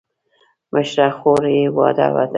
مشره خور یې واده ده.